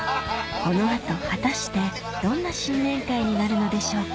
この後果たしてどんな新年会になるのでしょうか？